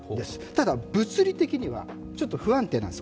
ただ物理的には、ちょっと不安定なんです。